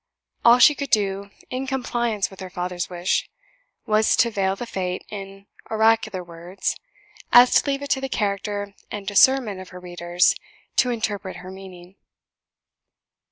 All she could do in compliance with her father's wish was so to veil the fate in oracular words, as to leave it to the character and discernment of her readers to interpret her meaning.